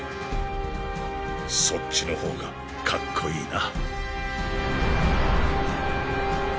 そっちのほうがかっこいいな。